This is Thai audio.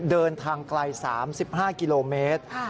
เดินทางไกล๓๕กิโลเมตร